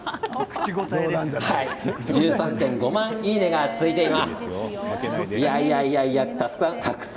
１２．５万いいねがついています。